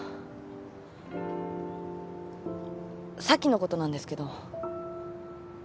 咲のことなんですけど。